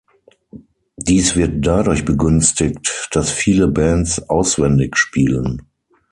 Dies wird dadurch begünstigt, dass viele Bands auswendig spielen.